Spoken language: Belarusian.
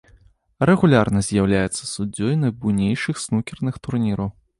Рэгулярна з'яўляецца суддзёй найбуйнейшых снукерных турніраў.